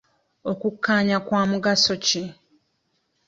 Okukkanya kwa mugaso ki?